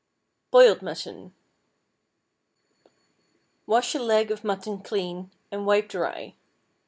BOILED MUTTON. Wash a leg of mutton clean, and wipe dry.